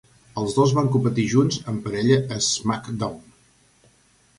Els dos van competir junts en parella a SmackDown!